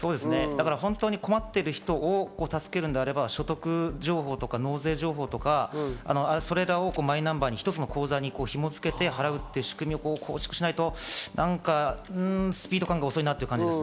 本当に困っている人を助けるのであれば所得情報とか納税情報とかそれらをマイナンバーに一つの口座に紐づけて払う仕組みの方向にしないと、スピード感が遅いなって感じです。